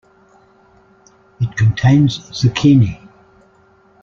It contains Zucchini.